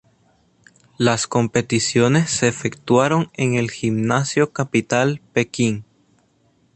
Las competiciones se efectuaron en el Gimnasio Capital Pekín.